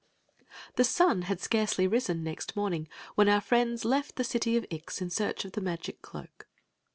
The sun had scarcely risen next morning when our friends left die city of I x in search of the magic cloak.